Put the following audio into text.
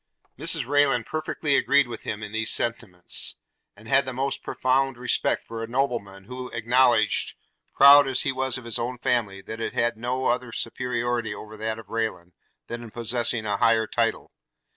Mrs Rayland perfectly agreed with him in these sentiments; and had the most profound respect for a nobleman, who acknowledged, proud as he was of his own family, that it had no other superiority over that of Rayland, than in possessing a higher title.